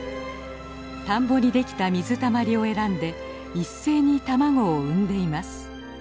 田んぼにできた水たまりを選んで一斉に卵を産んでいます。